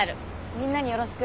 みんなによろしく。